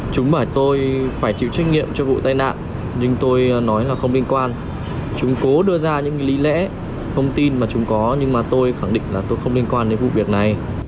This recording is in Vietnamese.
chúng bảo tôi phải chịu trách nhiệm cho vụ tai nạn nhưng tôi nói là không liên quan chúng cố đưa ra những lý lẽ thông tin mà chúng có nhưng mà tôi khẳng định là tôi không liên quan đến vụ việc này